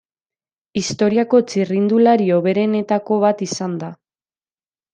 Historiako txirrindulari hoberenetako bat izan da.